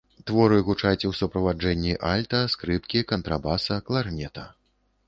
Творы гучаць у суправаджэнні альта, скрыпкі, кантрабаса, кларнета.